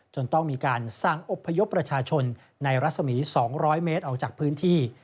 จนต้องมีการสั่งอบพยพประชาชนในรัศมี๒๐๐เมตรออกจากพื้นที่